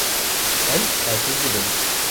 Em aciz dibin.